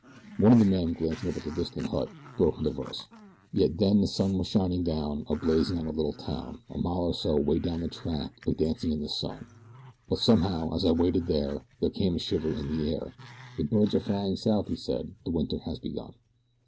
One of the men, glancing up at the distant hut, broke into verse: Yet then the sun was shining down, a blazing on the little town, A mile or so 'way down the track a dancing in the sun. But somehow, as I waited there, there came a shiver in the air, "The birds are flying south," he said. "The winter has begun."